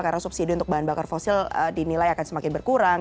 karena subsidi untuk bahan bakar fosil dinilai akan semakin berkurang